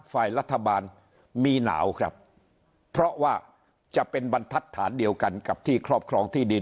ฝ่ายรัฐบาลมีหนาวครับเพราะว่าจะเป็นบรรทัศน์เดียวกันกับที่ครอบครองที่ดิน